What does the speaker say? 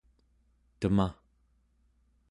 temaᵉ